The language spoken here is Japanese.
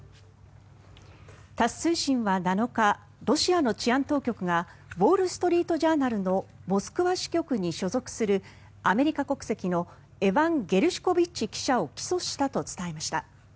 タス通信は７日ロシアの治安当局がウォール・ストリート・ジャーナルのモスクワ支局に所属するアメリカ国籍のエバン・ゲルシュコビッチ記者を起訴したと伝えました。